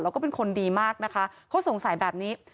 แล้วก็เป็นคนดีมากนะคะเขาสงสัยแบบนี้